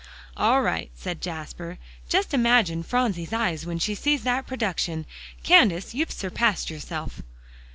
"All right," said Jasper. "Just imagine Phronsie's eyes when she sees that production. Candace, you've surpassed yourself."